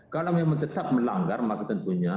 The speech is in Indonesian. kalau memang tetap melanggar maka tentunya